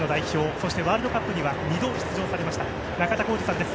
そして、ワールドカップには２度出場されました中田浩二さんです。